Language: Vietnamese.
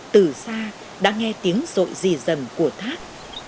từ xa đã nghe tiếng rội rì rầm của thác